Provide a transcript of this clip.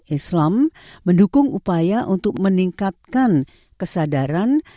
islam mendukung upaya untuk meningkatkan kesadaran